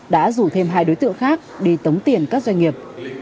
đã rủ thêm hai đối tượng khác đi tống tiền các doanh nghiệp